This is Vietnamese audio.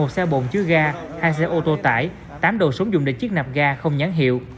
một xe bồn chứa gà hai xe ô tô tải tám đồ súng dùng để chiếc nạp gà không nhắn hiệu